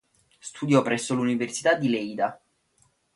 Studiò presso l'Università di Leida.